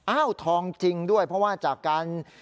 ทองจริงด้วยเพราะว่าจากการ